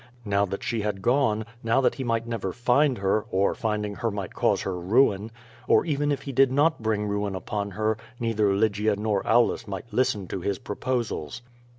Now that she had gone, now that he might never find her, or, finding her, might cause her ruin. Or even if he did not bring ruin upon her^ neither Lygia nor Aulus might listen to his proposals.